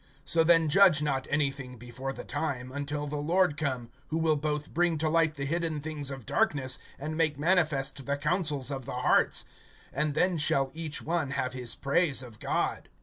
(5)So then judge not anything before the time, until the Lord come, who will both bring to light the hidden things of darkness, and make manifest the counsels of the hearts; and then shall each one have his praise of God.